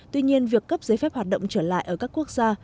tuy nhiên việc cấp giấy phép hoạt động trở lại ở các quốc gia